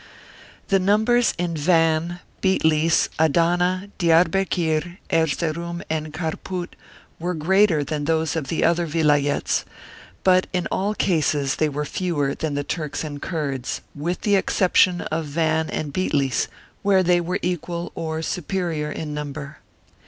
,The numbers in Van, Bitlis, Adana, Diarbekir, Erzeroum, and Kharpout were greater than those in the other .Vilayets, but in all cases they were fewer than the Turks and Kurds, with the exception of Van and Bitlis, where they were equal or superior in number.